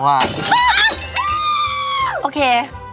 โอเค